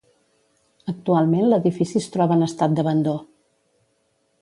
Actualment l'edifici es troba en estat d'abandó.